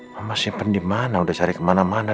mama simpen dimana udah cari kemana mana